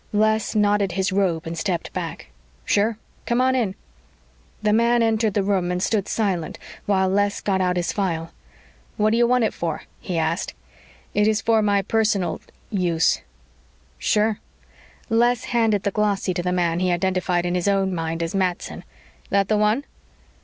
Les knotted his robe and stepped back. "Sure. Come on in." The man entered the room and stood silent while Les got out his file. "What do you want it for?" he asked. "It is for my personal use." "Sure." Les handed the glossy to the man he identified in his own mind as Matson. "That the one?"